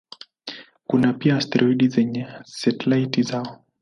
Kuna pia asteroidi zenye satelaiti zao.